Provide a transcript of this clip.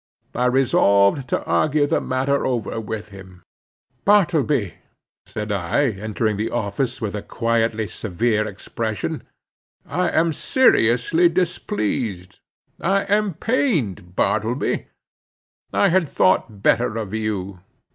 I resolved to argue the matter over with him again. "Bartleby," said I, entering the office, with a quietly severe expression, "I am seriously displeased. I am pained, Bartleby. I had thought better of you.